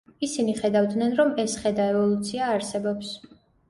ისინი ხედავდნენ, რომ ეს ხე და ევოლუცია არსებობს.